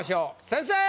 先生！